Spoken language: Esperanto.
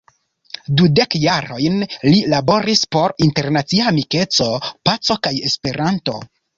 Dudek jarojn li laboris por internacia amikeco, paco kaj Esperanto.